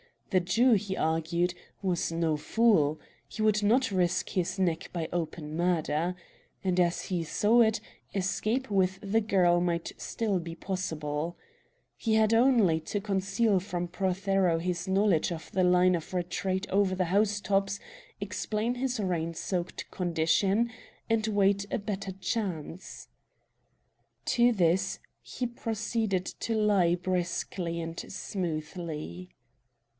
The Jew, he argued, was no fool. He would not risk his neck by open murder. And, as he saw it, escape with the girl might still be possible. He had only to conceal from Prothero his knowledge of the line of retreat over the house tops, explain his rain soaked condition, and wait a better chance. To this end he proceeded to lie briskly and smoothly.